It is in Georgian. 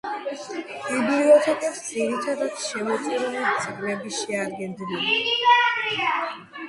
ბიბლიოთეკებს ძირითადად შემოწირული წიგნები შეადგენდნენ.